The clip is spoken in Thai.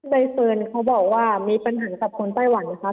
ใบเฟิร์นเขาบอกว่ามีปัญหากับคนไต้หวันไหมคะ